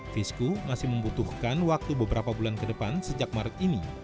fisku masih membutuhkan waktu beberapa bulan ke depan sejak maret ini